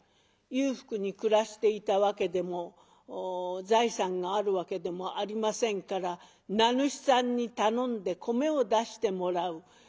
裕福に暮らしていたわけでも財産があるわけでもありませんから名主さんに頼んで米を出してもらう。